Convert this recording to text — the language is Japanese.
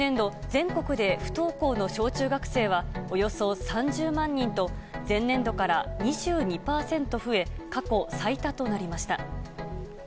全国で不登校の小中学生はおよそ３０万人と前年度から２２％増え過去最多となりました。